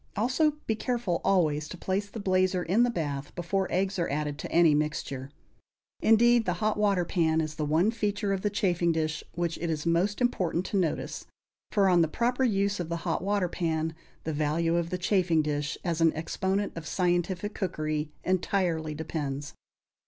Also, be careful always to place the blazer in the bath before eggs are added to any mixture. Indeed, the hot water pan is the one feature of the chafing dish which it is most important to notice; for on the proper use of the hot water pan the value of the chafing dish as an exponent of scientific cookery entirely depends.